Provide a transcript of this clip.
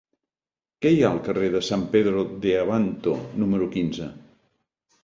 Què hi ha al carrer de San Pedro de Abanto número quinze?